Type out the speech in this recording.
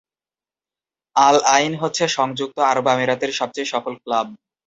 আল Ain হচ্ছে সংযুক্ত আরব আমিরাতের সবচেয়ে সফল ক্লাব।